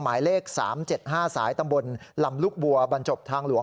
หมายเลข๓๗๕สายตำบลลำลูกบัวบรรจบทางหลวง